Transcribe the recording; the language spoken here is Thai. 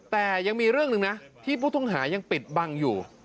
แต่ยังมีเรื่องหนึ่งนะที่ผู้ต้องหายังปิดบังอยู่